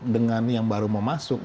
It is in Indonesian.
dengan yang baru mau masuk